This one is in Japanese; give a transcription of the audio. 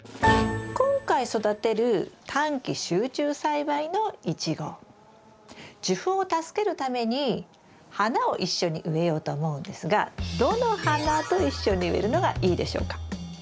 今回育てる短期集中栽培のイチゴ受粉を助けるために花を一緒に植えようと思うんですがどの花と一緒に植えるのがいいでしょうか？